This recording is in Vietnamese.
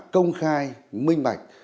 công khai minh bạch